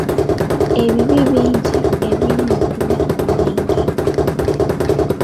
Ebibi bingi ebiri mu kunywa omwenge.